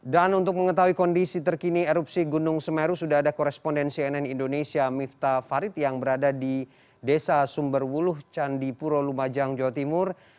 dan untuk mengetahui kondisi terkini erupsi gunung semeru sudah ada korespondensi nn indonesia mifta farid yang berada di desa sumberwuluh candipuro lumajang jawa timur